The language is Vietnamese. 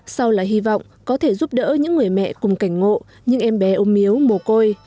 sau là hy vọng có thể giúp đỡ những người mẹ cùng cảnh ngộ những em bé ôm yếu mồ côi